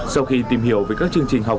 sau khi tìm hiểu về các chương trình học